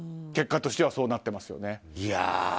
結果としてはそうなっていますよね。